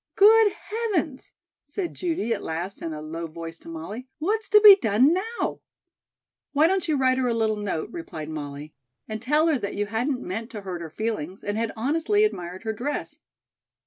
"Good heavens!" said Judy at last in a low voice to Molly, "what's to be done now?" "Why don't you write her a little note," replied Molly, "and tell her that you hadn't meant to hurt her feelings and had honestly admired her dress."